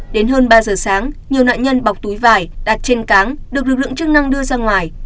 đến hơn ba giờ sáng nhiều nạn nhân bọc túi vải đặt trên cáng được lực lượng chức năng đưa ra ngoài